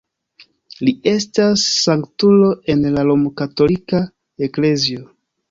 Li estas sanktulo en la romkatolika eklezio.